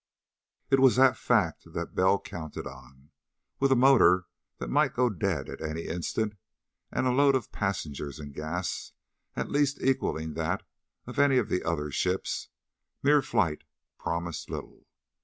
It was that fact that Bell counted on. With a motor that might go dead at any instant and a load of passengers and gas at least equaling that of any of the other ships, mere flight promised little.